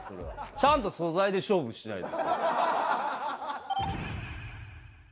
ちゃんと素材で勝負しないと。